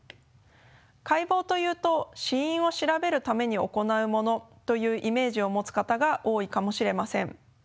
解剖というと死因を調べるために行うものというイメージを持つ方が多いかもしれません。